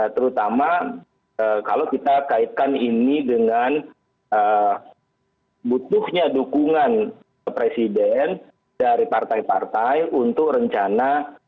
terutama kalau kita kaitkan ini dengan butuhnya dukungan presiden dari partai partai untuk rencana